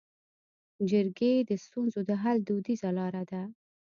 جرګې د ستونزو د حل دودیزه لاره ده